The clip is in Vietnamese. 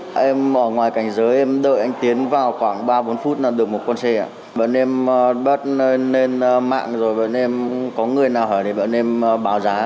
bạn em ở ngoài cảnh giới em đợi anh tiến vào khoảng ba bốn phút là được một con xe ạ bạn em bắt lên mạng rồi bạn em có người nào hỏi thì bạn em báo giá